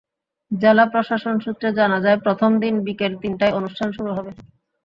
জেলা প্রশাসন সূত্রে জানা যায়, প্রথম দিন বিকেল তিনটায় অনুষ্ঠান শুরু হবে।